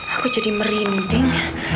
aku jadi merinding